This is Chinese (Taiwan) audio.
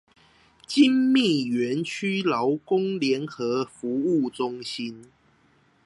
精密園區勞工聯合服務中心